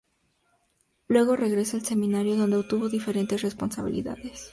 Luego regresa al Seminario donde obtuvo diferentes responsabilidades.